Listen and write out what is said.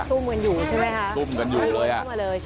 ซุ่มกันอยู่ใช่ไหมครับซุ่มกันอยู่เลยอ่ะ